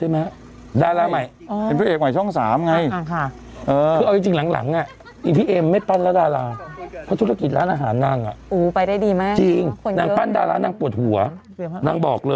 มีรอยชนที่ท้าย